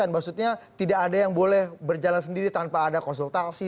maksudnya tidak ada yang boleh berjalan sendiri tanpa ada konsultasi